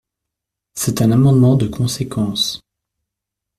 C’est un amendement de conséquence.